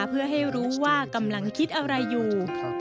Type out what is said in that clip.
เพื่อให้รู้ว่ากำลังคิดอะไรอยู่